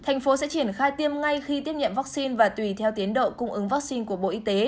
thành phố sẽ triển khai tiêm ngay khi tiếp nhận vaccine và tùy theo tiến độ cung ứng vaccine của bộ y tế